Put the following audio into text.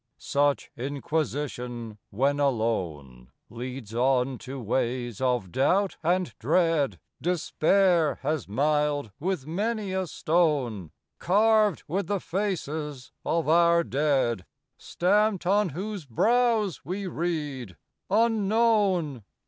Such inquisition, when alone, Leads on to ways of doubt and dread, Despair has miled with many a stone, Carved with the faces of our dead, Stamped on whose brows we read, "Unknown!